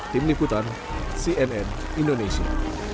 tim liputan cnn indonesia